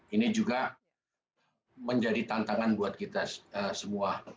ini juga menjadi tantangan buat kita semua